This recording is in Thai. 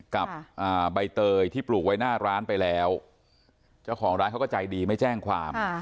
กับใบเตยที่ปลูกไว้หน้าร้านไปแล้วเจ้าของร้านเขาก็ใจดีไม่แจ้งความ